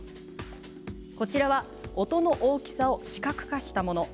こちらは、音の大きさを視覚化したもの。